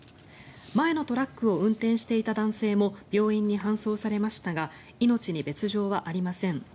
前のトラックを運転していた男性も病院に搬送されましたが命に別条はありません。